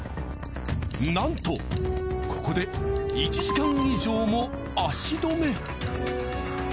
なんとここで１時間以上も足止め。